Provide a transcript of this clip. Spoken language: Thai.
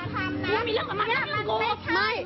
สีบี